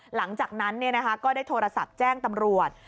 หลังจากนั้นก็ได้โทรศัพท์แจ้งตำรวจ